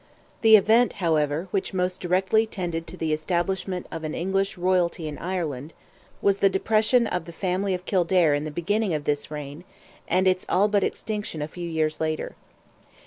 The event, however, which most directly tended to the establishment of an English royalty in Ireland, was the depression of the family of Kildare in the beginning of this reign, and its all but extinction a few years later.